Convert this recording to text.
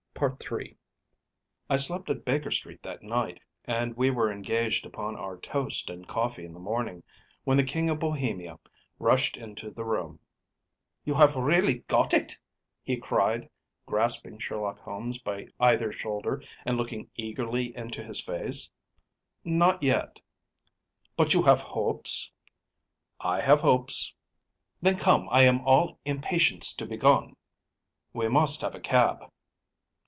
‚ÄĚ III. I slept at Baker Street that night, and we were engaged upon our toast and coffee in the morning when the King of Bohemia rushed into the room. “You have really got it!‚ÄĚ he cried, grasping Sherlock Holmes by either shoulder and looking eagerly into his face. “Not yet.‚ÄĚ “But you have hopes?‚ÄĚ “I have hopes.‚ÄĚ “Then, come. I am all impatience to be gone.‚ÄĚ “We must have a cab.